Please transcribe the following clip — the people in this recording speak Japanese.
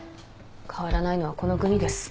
変わらないのはこの国です。